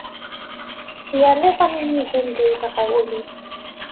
Yal iḍ ad ninig anda yebɣa wul-im.